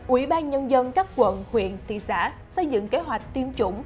ủy ban nhân dân các quận huyện thị xã xây dựng kế hoạch tiêm chủng